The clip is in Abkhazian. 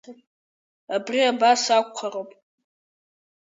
Абри абас акәхароуп.